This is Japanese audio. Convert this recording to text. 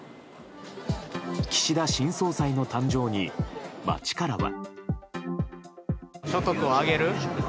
岸田新総裁の誕生に街からは。